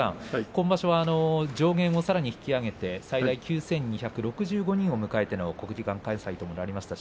今場所は上限をさらに引き上げて９２６５人を迎えての国技館開催でした。